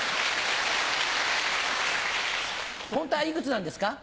ホントはいくつなんですか？